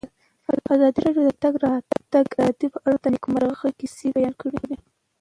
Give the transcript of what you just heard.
ازادي راډیو د د تګ راتګ ازادي په اړه د نېکمرغۍ کیسې بیان کړې.